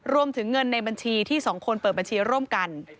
รวมถึงเงินในบัญชีที่สองคนเปิดบัญชีร่วมกัน